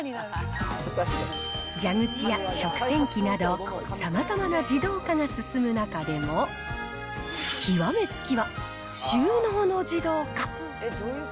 蛇口や食洗機など、さまざまな自動化が進む中でも、極め付きは収納の自動化。